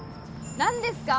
何ですか？